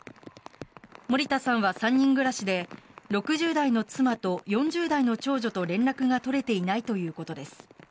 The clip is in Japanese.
森田さんは３人暮らしで６０代の妻と４０代の長女と連絡が取れていないということです。